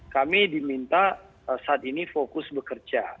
kami diminta saat ini fokus bekerja